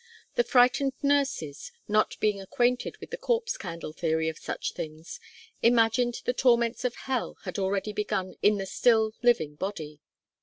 The frightened nurses not being acquainted with the corpse candle theory of such things imagined the torments of hell had already begun in the still living body.